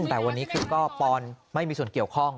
แต่วันนี้คือก็ปอนไม่มีส่วนเกี่ยวข้อง